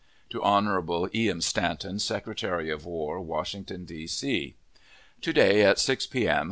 To Hon. E. M. STANTON, Secretary of War, Washington, D. C.: To day, at 6 p. m.